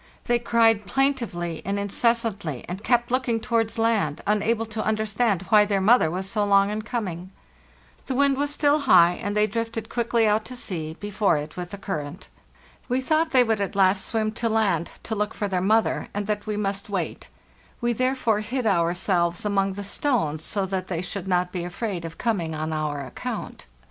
They cried plaintively and incessantly, and kept looking towards land, unable to understand why their mother was so long in coming. The wind was still high, and they drifted quickly out to sea before LAND AT LAST 403 it with the current. We thought they would at last swim to land to look for their mother, and that we must wait; we therefore hid ourselves among the stones, so that they should not be afraid of coming on our account.